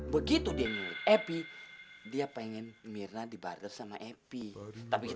bukannya om sani ada di rumah adik